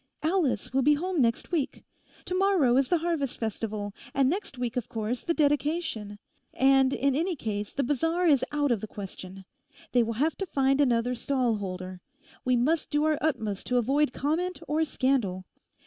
Alice will be home next week. To morrow is the Harvest Festival, and next week, of course, the Dedication; and, in any case, the Bazaar is out of the question. They will have to find another stall holder. We must do our utmost to avoid comment or scandal.